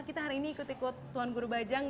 kita hari ini ikut ikut tuan guru bajang